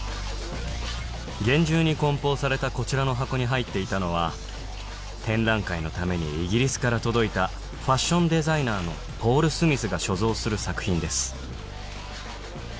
厳重に梱包されたこちらの箱に入っていたのは展覧会のためにイギリスから届いたファッションデザイナーのポール・スミスが所蔵する作品です